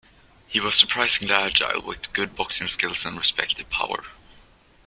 He was surprisingly agile, with good boxing skill and respected power.